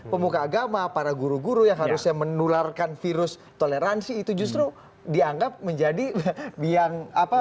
pemuka agama para guru guru yang harusnya menularkan virus toleransi itu justru dianggap menjadi yang apa